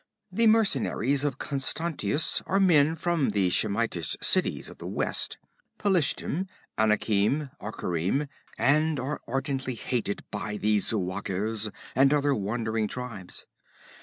The mercenaries of Constantius are men from the Shemitish cities of the west, Pelishtim, Anakim, Akkharim, and are ardently hated by the Zuagirs and other wandering tribes.